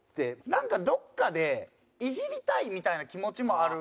なんかどこかでイジりたいみたいな気持ちもある。